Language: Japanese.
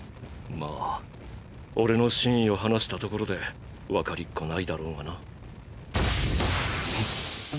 まぁ俺の真意を話したところでわかりっこないだろうがな。